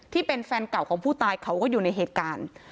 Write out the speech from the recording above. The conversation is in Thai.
ที่เป็นแฟนเก่าของผู้ตายเขาก็อยู่ในเหตุการณ์